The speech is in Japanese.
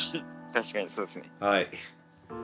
確かにそうですね。